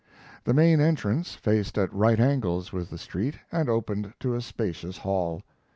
The main entrance faced at right angles with the street and opened to a spacious hall.